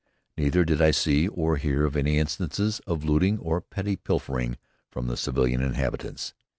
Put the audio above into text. Neither did I see or hear of any instances of looting or petty pilfering from the civilian inhabitants.